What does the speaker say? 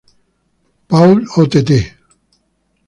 Paul Ott.